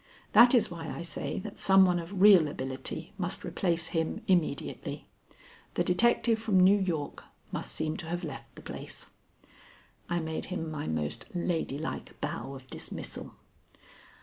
That is why I say that some one of real ability must replace him immediately. The detective from New York must seem to have left the place." I made him my most ladylike bow of dismissal.